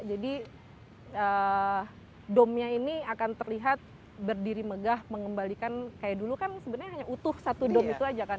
jadi domnya ini akan terlihat berdiri megah mengembalikan kayak dulu kan sebenarnya utuh satu dom itu saja kan